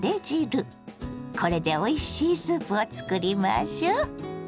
これでおいしいスープを作りましょ。